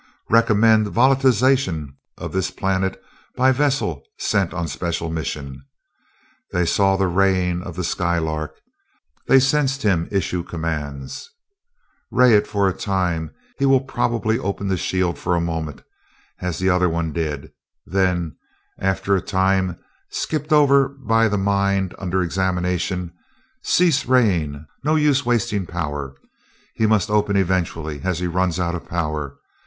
Recommend volatilization of this planet by vessel sent on special mission." They saw the raying of the Skylark. They sensed him issue commands: "Ray it for a time; he will probably open the shield for a moment, as the other one did," then, after a time skipped over by the mind under examination. "Cease raying no use wasting power. He must open eventually, as he runs out of power.